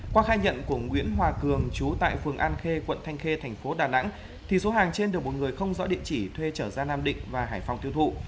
qua khai nhận của nguyễn hòa cường chú tại phường an khê quận thanh khê thành phố đà nẵng thì số hàng trên được một người không rõ địa chỉ thuê trở ra nam định và hải phòng tiêu thụ